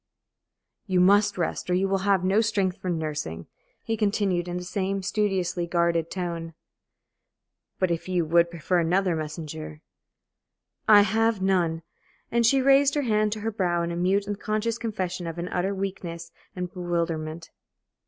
"You must rest, or you will have no strength for nursing," he continued, in the same studiously guarded tone. "But if you would prefer another messenger " "I have none," and she raised her hand to her brow in mute, unconscious confession of an utter weakness and bewilderment.